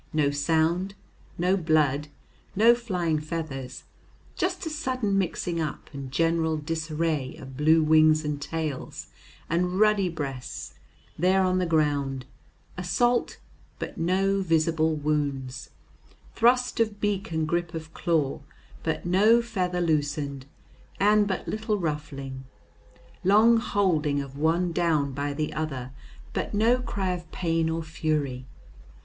no sound, no blood, no flying feathers, just a sudden mixing up and general disarray of blue wings and tails and ruddy breasts, there on the ground; assault but no visible wounds; thrust of beak and grip of claw, but no feather loosened and but little ruffling; long holding of one down by the other, but no cry of pain or fury.